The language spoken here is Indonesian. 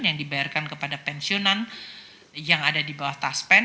yang dibayarkan kepada pensiunan yang ada di bawah taspen